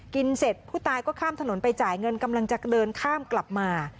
เสร็จผู้ตายก็ข้ามถนนไปจ่ายเงินกำลังจะเดินข้ามกลับมา